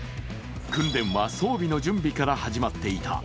訓練は装備の準備から始まっていた。